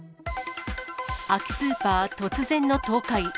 空きスーパー、突然の倒壊。